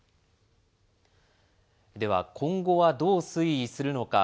では、今後はどう推移するのか。